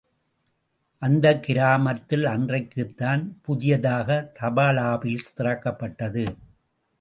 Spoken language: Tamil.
அந்தக் கிராமத்தில் அன்றைக்குத்தான் புதியதாக தபாலாபீஸ் திறக்கப்பட்டது.